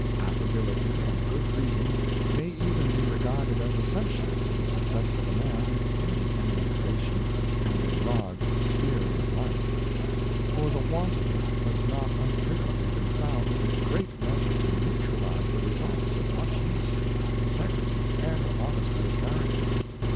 Affability and good breeding may even be regarded as essential to the success of a man in any eminent station and enlarged sphere of life; for the want of it has not unfrequently been found in a great measure to neutralize the results of much indus try, integrity, and honesty of character.